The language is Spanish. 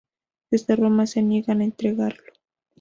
Desde Roma se niegan a entregarlo.